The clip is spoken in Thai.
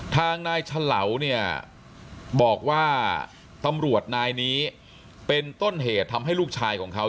ทางนายฉลาเนี่ยบอกว่าตำรวจนายนี้เป็นต้นเหตุทำให้ลูกชายของเขา